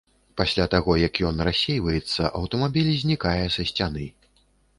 Пасля таго, як ён рассейваецца, аўтамабіль знікае са сцяны.